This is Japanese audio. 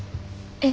えっ。